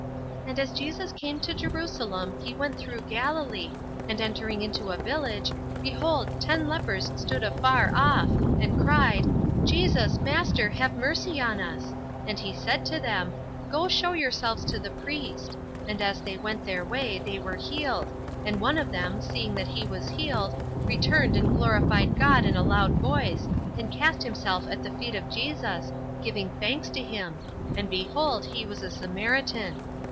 "And as Jesus came to Jerusalem, He went through Galilee, and entering into a village, behold, ten lepers stood afar off, and cried, Jesus, Master, have mercy on us, and He said to them, Go show yourselves to the priest. And as they went their way, they were healed, and one of them seeing that he was healed, returned and glorified God in a loud voice, and cast himself at the feet of Jesus, giving thanks to Him, and behold, he was a Samaritan.